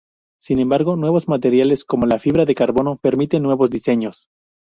Sin embargo, nuevos materiales, como la fibra de carbono, permiten nuevos diseños.